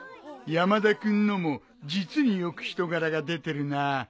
山田君のも実によく人柄が出てるな。